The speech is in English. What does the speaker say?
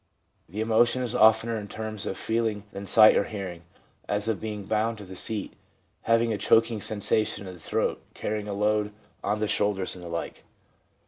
The emotion is oftener in terms of feeling than sight or hearing, as of being bound to the seat, having a choking sensation in the throat, carrying a load on the shoulders, and the like.